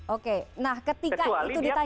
oke nah ketika itu ditanya